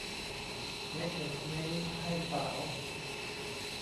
เทคนิคนี้ให้สาว